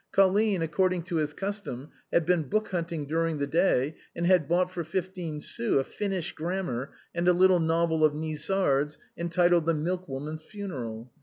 Colline, according to his custom, had been book hunting during the day, and had bought for fifteen sous a Finnish grammar and a little novel of Nisard's entitled " The Milkwoman's Funeral."